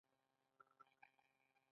شپیتم سوال د وظیفې د تحلیل اهداف بیانوي.